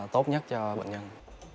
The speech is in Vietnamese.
tốt nhất cho bệnh nhân